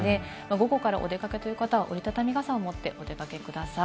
午後からお出かけという方は折りたたみ傘を持ってお出かけください。